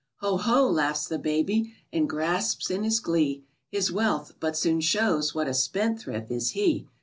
Ho, ho! laughs the baby, and grasps in his glee His wealth, but soon shows what a spend thrift is he!